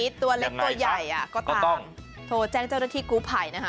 พิษตัวเล็กตัวใหญ่อะก็ตามโทรแจ้งเจ้าเธอที่กูไผ่นะฮะ